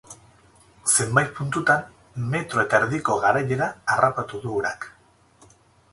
Zenbait puntutan, metro eta erdiko garaiera harrapatu du urak.